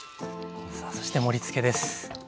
さあそして盛りつけです。